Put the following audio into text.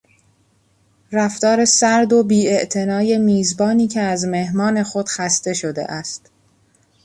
رفتار سرد و بی اعتنای میزبانی که از مهمان خود خسته شده است